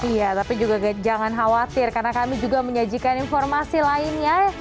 iya tapi juga jangan khawatir karena kami juga menyajikan informasi lainnya